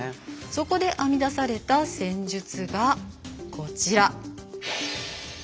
そこで編み出された戦術がこちら。